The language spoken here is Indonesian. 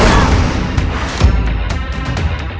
apa yang kamu lakukan sendiri tuhan